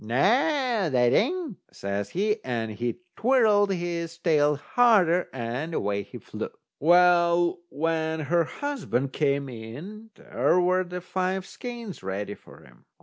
"Noo, that ain't," says he, and he twirled his tail harder, and away he flew. Well, when her husband came in, there were the five skeins ready for him.